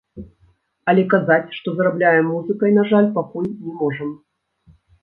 Але казаць, што зарабляем музыкай, на жаль, пакуль не можам.